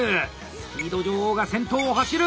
「スピード女王」が先頭を走る！